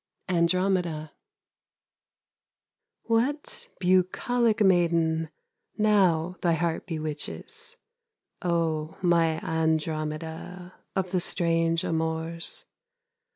ANDROMEDA What bucolic maiden Now thy heart bewitches, O my Andromeda Of the strange amours?